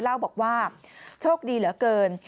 เล่าบอกว่าโชคดีเหลือเกิน